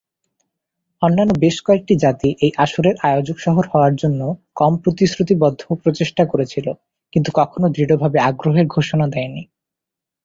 অন্যান্য বেশ কয়েকটি জাতি এই আসরের আয়োজক শহর হওয়ার জন্য কম প্রতিশ্রুতিবদ্ধ প্রচেষ্টা করেছিল, কিন্তু কখনও দৃঢ়ভাবে আগ্রহের ঘোষণা দেয়নি।